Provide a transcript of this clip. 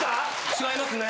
違いますね。